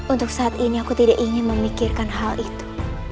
untuk saat ini aku tidak ingin memikirkan hal itu